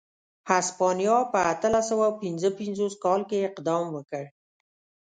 هسپانیا په اتلس سوه پنځه پنځوس کال کې اقدام وکړ.